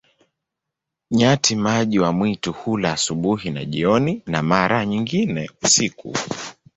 Nyati-maji wa mwitu hula asubuhi na jioni, na mara nyingine usiku.